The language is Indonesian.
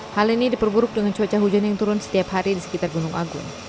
hal ini diperburuk dengan cuaca hujan yang turun setiap hari di sekitar gunung agung